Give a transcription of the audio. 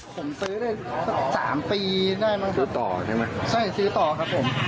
ผมซื้อได้สักสามปีได้มั้งซื้อต่อใช่ไหมใช่ซื้อต่อครับผม